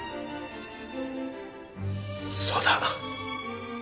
そうだ。